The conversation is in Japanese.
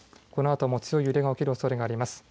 このあとも強い揺れが起きるおそれがあります。